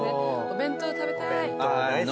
お弁当食べたい。